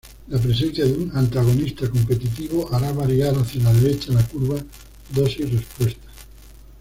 La presencia de un antagonista competitivo hará variar hacia la derecha la curva dosis-respuesta.